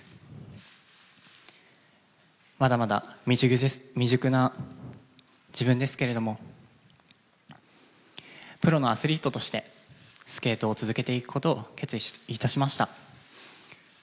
まだまだ未熟な自分ですけれども、プロのアスリートとしてスケートを続けていくことを決意いたしました。